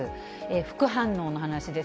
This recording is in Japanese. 副反応の話です。